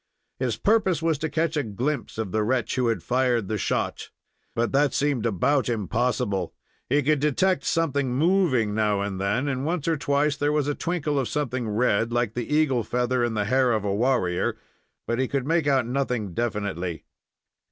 His purpose was to catch a glimpse of the wretch who had fired the shot. But that seemed about impossible. He could detect something moving now and then, and once or twice there was a twinkle of something red, like the eagle feather in the hair of the warrior, but he could make out nothing definitely.